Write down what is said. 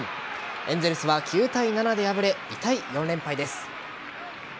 エンゼルスは９対７で敗れ痛い４連敗です。